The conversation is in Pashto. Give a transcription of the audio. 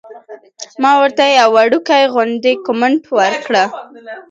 ما ورته يو وړوکے غوندې کمنټ وکړۀ -